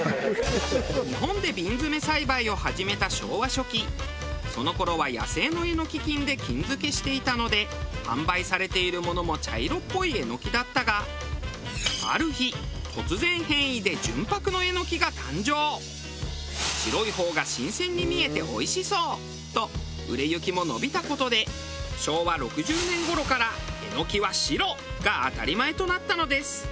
日本で瓶詰め栽培を始めた昭和初期その頃は野生のエノキ菌で菌付けしていたので販売されているものも茶色っぽいエノキだったがある日白い方が新鮮に見えておいしそう！と売れ行きも伸びた事で昭和６０年頃から「エノキは白」が当たり前となったのです。